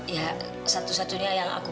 ya satu satunya yang aku